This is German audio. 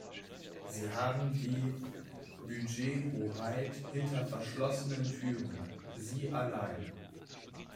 Sie haben die Budgethoheit hinter verschlossenen Türen, sie allein.